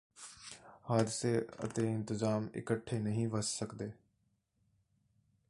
ਹਾਦਸੇ ਅਤੇ ਇੰਤਜ਼ਾਮ ਇਕੱਠੇ ਨਹੀਂ ਵਸ ਸਕਦੇ